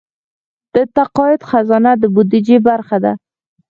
د تقاعد خزانه د بودیجې برخه ده